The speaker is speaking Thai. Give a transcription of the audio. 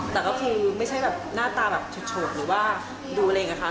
แต่ก็คือไม่ใช่หน้าตาแบบโฉดหรือว่าดูอะไรไงค่ะ